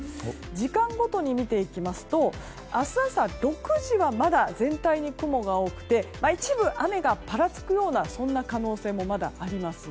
時間ごとに見ていきますと明日朝６時はまだ全体に雲が多くて一部雨がぱらつくようなそんな可能性もまだあります。